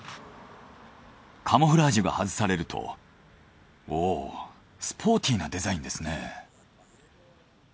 カモフラージュが外されるとおぉスポーティーなデザインですね。